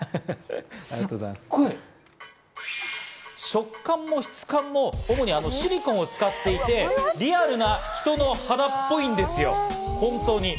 触感も質感も主にシリコンを使っていて、リアルな人の肌っぽいんですよ、本当に。